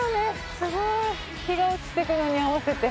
すごい。日が落ちていくのに合わせて。